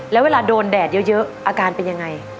แล้วเวลาโดนแดดเยอะอาการเป็นยังไง